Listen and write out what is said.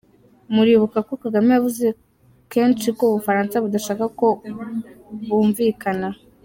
Muribuka ko Kagame yavuze kenshi ko u Bufaransa budashaka ko bumvikana.